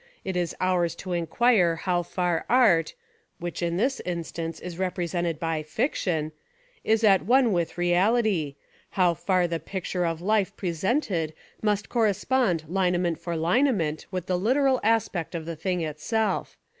It is ours to enquire how far ART, — which in this instance is repre sented by FICTION, — is at one with reality: how far the picture of life presented must cor respond lineament for lineament with the literal aspect of the thing itself.